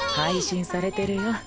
配信されてるよ。